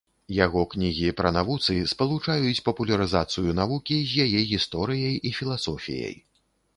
Яго кнігі пра навуцы спалучаюць папулярызацыю навукі з яе гісторыяй і філасофіяй.